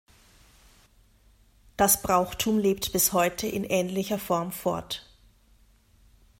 Das Brauchtum lebt bis heute in ähnlicher Form fort.